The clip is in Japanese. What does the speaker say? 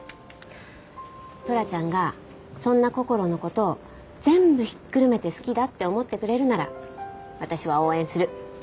トラちゃんがそんなこころの事を全部ひっくるめて好きだって思ってくれるなら私は応援する。